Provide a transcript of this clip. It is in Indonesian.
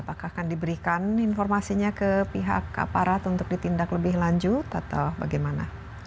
apakah akan diberikan informasinya ke pihak aparat untuk ditindak lebih lanjut atau bagaimana